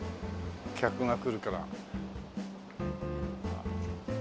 客が来るから。